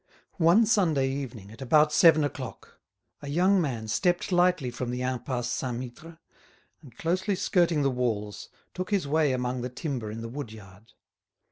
One Sunday evening, at about seven o'clock, a young man stepped lightly from the Impasse Saint Mittre, and, closely skirting the walls, took his way among the timber in the wood yard.